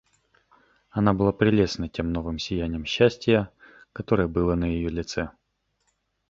Она была прелестна тем новым сиянием счастия, которое было на ее лице.